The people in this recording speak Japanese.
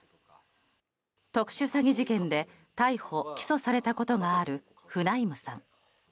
特殊詐欺事件で逮捕・起訴されたことがあるフナイムさん。